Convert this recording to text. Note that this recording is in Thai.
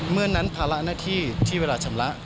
เมื่อนั้นภาระหน้าที่ที่เวลาชำระ